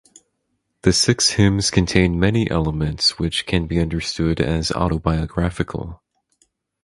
The six hymns contain many elements which can be understood as autobiographical.